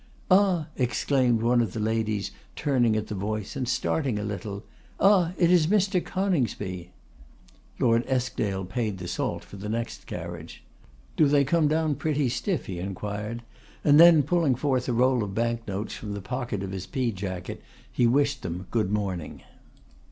'Ah!' exclaimed one of the ladies, turning at the voice, and starting a little. 'Ah! it is Mr. Coningsby.' Lord Eskdale paid the salt for the next carriage. 'Do they come down pretty stiff?' he inquired, and then, pulling forth a roll of bank notes from the pocket of his pea jacket, he wished them good morning.